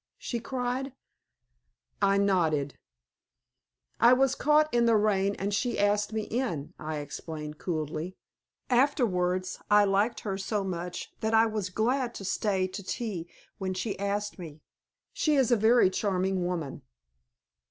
she cried. I nodded. "I was caught in the rain and she asked me in," I explained, coolly. "Afterwards I liked her so much that I was glad to stay to tea when she asked me. She is a very charming woman."